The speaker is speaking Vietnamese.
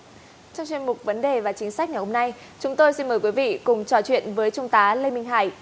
trong chuyên mục vấn đề và chính sách ngày hôm nay chúng tôi xin mời quý vị cùng trò chuyện với trung tá lê minh hải